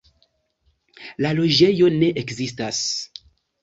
La loĝejo ne ekzistas.